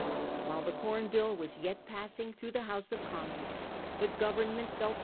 While the Corn Bill was yet passing through the House of Commons the Government felt .